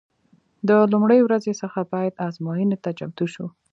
د لومړۍ ورځې څخه باید ازموینې ته چمتو شو.